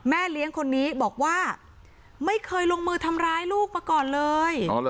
เลี้ยงคนนี้บอกว่าไม่เคยลงมือทำร้ายลูกมาก่อนเลย